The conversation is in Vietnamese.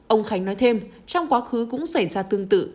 ông khánh nói thêm trong quá khứ cũng xảy ra tương tự